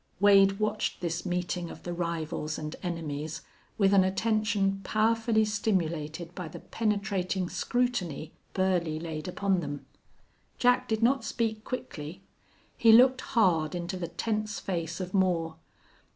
Wade watched this meeting of the rivals and enemies with an attention powerfully stimulated by the penetrating scrutiny Burley laid upon them. Jack did not speak quickly. He looked hard into the tense face of Moore.